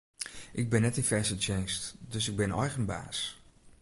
Ik bin net yn fêste tsjinst, dus ik bin eigen baas.